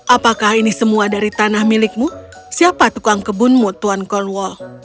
apakah ini semua dari tanah milikmu siapa tukang kebunmu tuan cornwall